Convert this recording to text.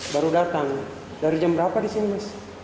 baru datang dari jam berapa di sini mas